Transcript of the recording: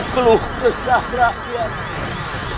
keluh kesah rakyat